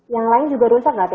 yang lain juga rusak gak deh